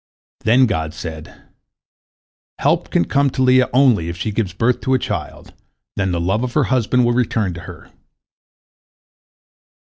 Then God said, "Help can come to Leah only if she gives birth to a child; then the love of her husband will return to her."